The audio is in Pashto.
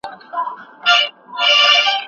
پر مځکي باندي د مرغانو اوازونه وو.